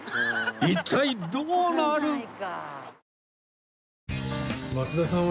一体どうなる！？